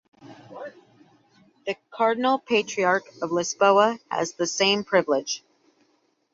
The Cardinal Patriarch of Lisboa has the same privilege.